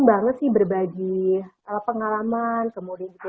untuk menghubungi teh vivid ya